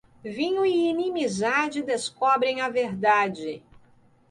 Vinho e inimizade descobrem a verdade.